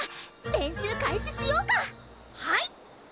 練習開始しようかはい！